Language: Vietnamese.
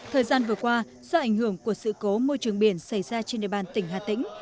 thời gian vừa qua do ảnh hưởng của sự cố môi trường biển xảy ra trên địa bàn tỉnh hà tĩnh